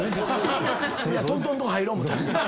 トントントン入ろう思た。